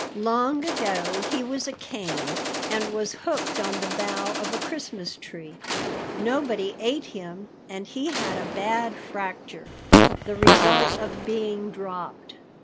Long ago he was a cane and was hooked on the bough of a Christmas tree. Nobody ate him and he had a bad fracture, the result of being dropped.